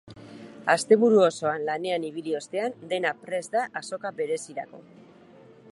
Asteburu osoan lanean ibili ostean dena prest da azoka berezirako.